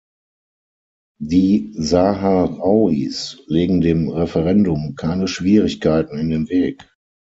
Die Saharauis legen dem Referendum keine Schwierigkeiten in den Weg.